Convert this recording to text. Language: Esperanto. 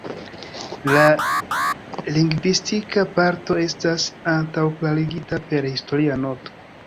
La lingvistika parto estas antaŭklarigita per historia noto.